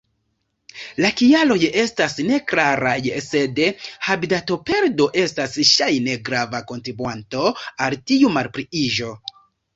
La kialoj estas neklaraj, sed habitatoperdo estas ŝajne grava kontribuanto al tiu malpliiĝo.